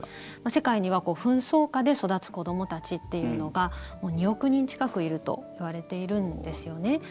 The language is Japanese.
世界には紛争下で育つ子どもたちっていうのが２億人近くいるといわれているんですよね。